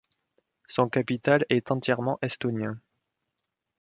Son capital est entièrement estonien.